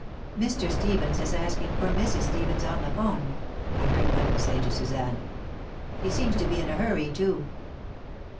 "Mr. Stevens is asking for Mrs. Stevens on the 'phone," I heard Buttons say to Suzanne. "He seems to be in a hurry, too."